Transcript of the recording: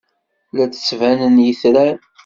La d-ttbanen yitran.